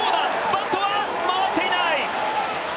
バットは回っていない。